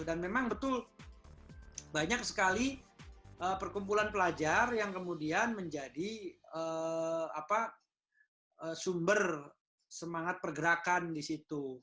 dan memang betul banyak sekali perkumpulan pelajar yang kemudian menjadi sumber semangat pergerakan di situ